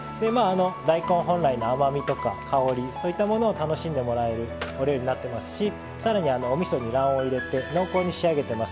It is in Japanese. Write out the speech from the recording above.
大根本来の甘みとか香りそういったものを楽しんでもらえるお料理になっていますしさらに、おみそに卵黄を入れて濃厚に仕上げています。